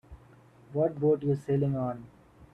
What boat you sailing on?